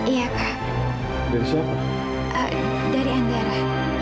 iya dari andara